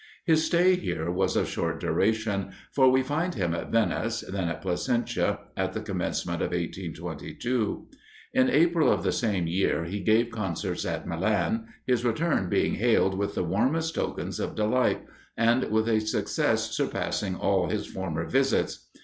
His stay here was of short duration, for we find him at Venice, then at Placentia, at the commencement of 1822. In April of the same year he gave concerts at Milan, his return being hailed with the warmest tokens of delight, and with a success surpassing all his former visits.